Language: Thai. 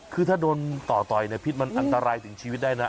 คือถ้าโดนต่อต่อยเนี่ยพิษมันอันตรายถึงชีวิตได้นะ